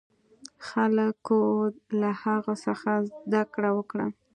خلکو له هغه څخه زده کړه وکړه.